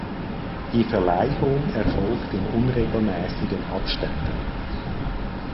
Die Verleihung erfolgt in unregelmäßigen Abständen.